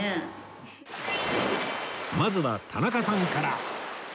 まずは田中さんから